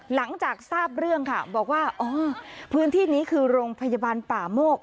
หลังจากทราบเรื่องค่ะบอกว่าอ๋อพื้นที่นี้คือโรงพยาบาลป่าโมก